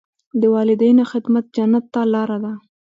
د والدینو خدمت جنت ته لاره ده.